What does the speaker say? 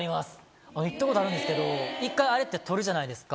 行ったことあるんですけど一回ああやって取るじゃないですか。